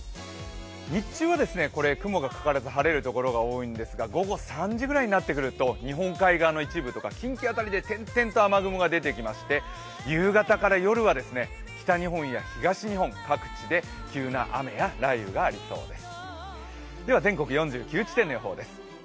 日中は雲がとれて晴れるところが多いんですが午後３時ぐらいになってくると日本海側の一部とか近畿辺りで点々と雨雲が出てきまして、夕方から夜は北日本や東日本、各地で急な雨や雷雨がありそうです。